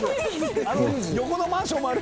横のマンションもある！